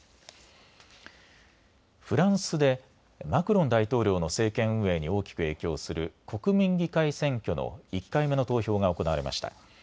フランスでマクロン大統領の政権運営に大きく影響する国民議会選挙の１回目の投票が行われました。